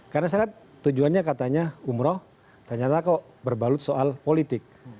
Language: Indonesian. karena saya lihat tujuannya katanya umroh ternyata kok berbalut soal politik